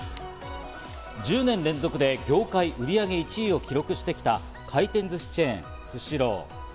１０年連続で業界売り上げ１位を記録してきた回転寿司チェーン、スシロー。